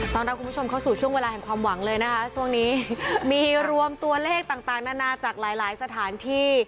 รับคุณผู้ชมเข้าสู่ช่วงเวลาแห่งความหวังเลยนะคะช่วงนี้มีรวมตัวเลขต่างนานาจากหลายหลายสถานที่